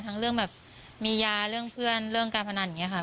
เรื่องแบบมียาเรื่องเพื่อนเรื่องการพนันอย่างนี้ค่ะ